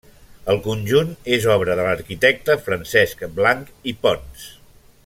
El conjunt és obra de l'arquitecte Francesc Blanch i Pons.